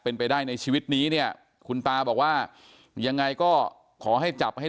เป็นไปได้ในชีวิตนี้เนี่ยคุณตาบอกว่ายังไงก็ขอให้จับให้